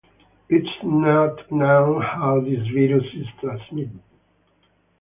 It is not known how this virus is transmitted.